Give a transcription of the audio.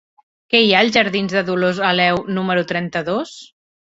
Què hi ha als jardins de Dolors Aleu número trenta-dos?